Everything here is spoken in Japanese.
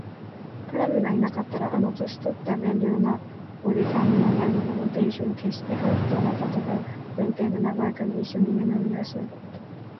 クラムがいなかったら、あの年とった善良な伯父さんの宿のご亭主も、けっしてハンスとあなたとが前庭でなごやかにいっしょにいるのを見はしなかった